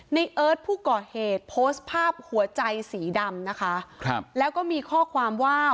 เอิร์ทผู้ก่อเหตุโพสต์ภาพหัวใจสีดำนะคะครับแล้วก็มีข้อความว่า